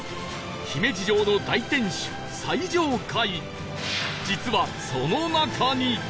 姫路城の大天守最上階